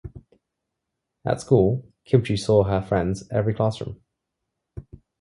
At school, Kimchi saw her friends every classroom.